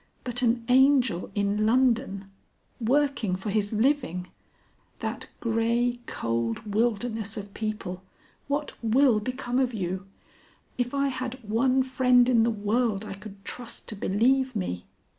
But an Angel in London! Working for his living! That grey cold wilderness of people! What will become of you? If I had one friend in the world I could trust to believe me!"